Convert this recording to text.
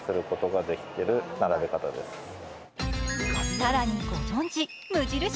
更にご存じ、無印